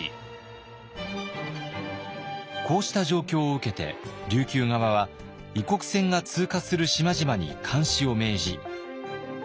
こうした状況を受けて琉球側は異国船が通過する島々に監視を命じ。